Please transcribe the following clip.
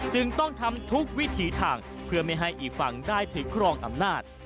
จึงต้องทำทุกวิถีทางเพื่อไม่ให้อีกฝั่งได้ถือครองอำนาจ